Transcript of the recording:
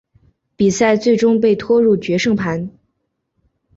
比赛最终被拖入决胜盘。